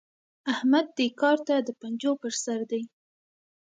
احمد دې کار ته د پنجو پر سر دی.